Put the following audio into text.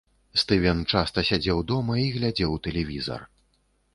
Стывен часта сядзеў дома і глядзеў тэлевізар.